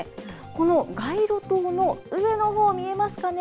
この街路灯の上のほう、見えますかね？